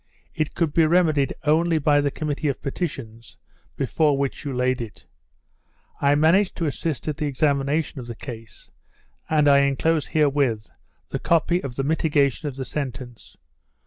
It could be remedied only by the Committee of Petitions before which you laid it. I managed to assist at the examination of the case, and I enclose herewith the copy of the mitigation of the sentence.